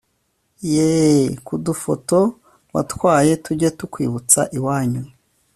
Yeee ku dufoto watwaye tujye tukwibutsa iwanyu